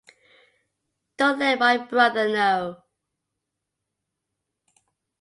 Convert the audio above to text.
Don't let my brother know.